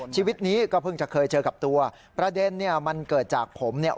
ชีวิตนี้ก็เพิ่งจะเคยเจอกับตัวประเด็นเนี่ยมันเกิดจากผมเนี่ย